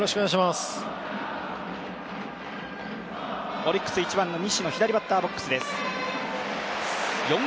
オリックス１番の西野左バッターボックスです。